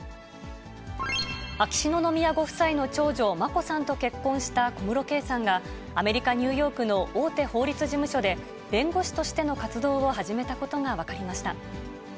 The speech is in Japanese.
秋篠宮ご夫妻の長女、眞子さんと結婚した小室圭さんが、アメリカ・ニューヨークの大手法律事務所で、弁護士としての活動を始めたことが分かりました。